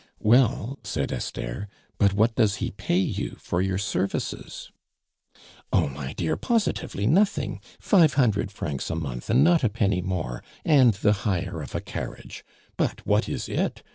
"Well," said Esther, "but what does he pay you for your services?" "Oh, my dear, positively nothing. Five hundred francs a month and not a penny more, and the hire of a carriage. But what is it?